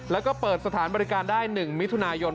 แล้วก็เปิดสถานบริการได้๑มิถุนายน